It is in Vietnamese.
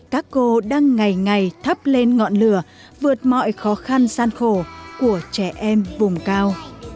các cô đang ngày ngày thắp lên ngọn lửa vượt mọi khó khăn gian khổ của trẻ em vùng cao